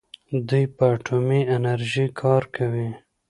دوی په اټومي انرژۍ کار کوي.